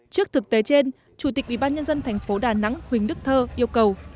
trước thực tế trên chủ tịch ubnd tp đà nẵng huỳnh đức thơ yêu cầu